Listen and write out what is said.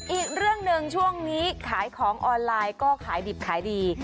อีกเรื่องหนึ่งช่วงนี้ขายของออนไลน์ก็ขายดิบขายดี